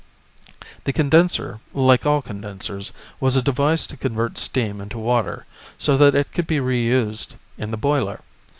The condenser, like all condensers, was a device to convert steam into water, so that it could be reused in the boiler.